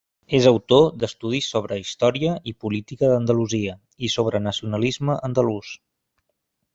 És autor d'estudis sobre història i política d'Andalusia, i sobre nacionalisme andalús.